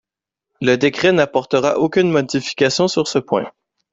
Le décret n’apportera aucune modification sur ce point.